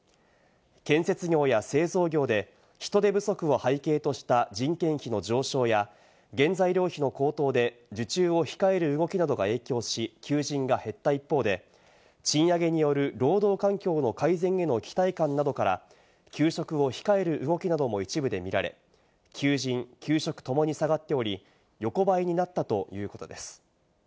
建設業や製造業で人手不足を背景とした人件費の上昇や、原材料費の高騰で受注を控える動きなどが影響し、求人が減った一方で、賃上げによる労働環境の改善への期待感などから休職を控える動きなども一部で見られ、求人・求職ともに下がっており、横ばいになったということです。